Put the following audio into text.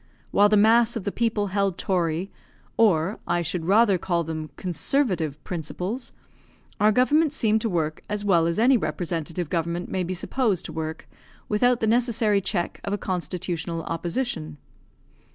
While the mass of the people held tory, or, I should rather call them, conservative principles, our government seemed to work as well as any representative government may be supposed to work without the necessary check of a constitutional opposition.